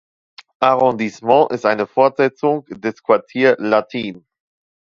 Arrondissement ist eine Art Fortsetzung des Quartier Latin.